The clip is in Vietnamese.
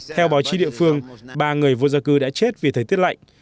theo báo chí địa phương ba người vô gia cư đã chết vì thời tiết lạnh